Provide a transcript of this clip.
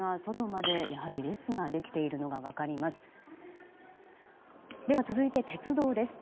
では、続いて鉄道です。